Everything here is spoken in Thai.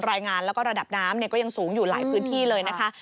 รายงานแล้วก็ระดับน้ำก็ยังสูงอยู่หลายพื้นที่เลยนะคะ